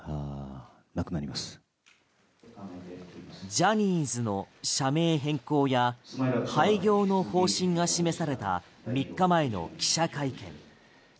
ジャニーズの社名変更や廃業の方針が示された３日前の記者会見。